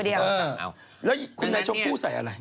แล้วคุณนายชมพู่ใส่อะไร